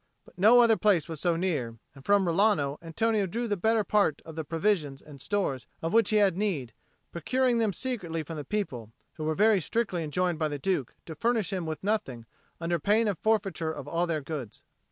But no other place was so near, and from Rilano Antonio drew the better part of the provisions and stores of which he had need, procuring them secretly from the people, who were very strictly enjoined by the Duke to furnish him with nothing under pain of forfeiture of all their goods.